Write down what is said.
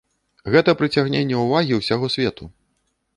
Гэта прыцягненне ўвагі ўсяго свету.